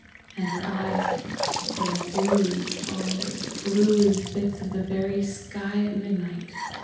And her eyes, they are blue, oh, as blue as bits of the very sky at midnight!